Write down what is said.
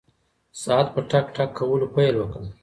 ساعت په ټک ټک کولو پیل وکړ.